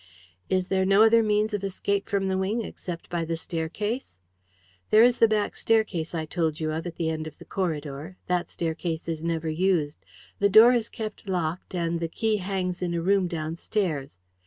"Is there no other means of escape from the wing except by the staircase?" "There is the back staircase I told you of, at the end of the corridor. That staircase is never used. The door is kept locked, and the key hangs in a room downstairs.